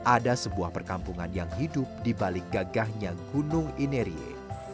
ada sebuah perkampungan yang hidup di balik gagahnya gunung inerie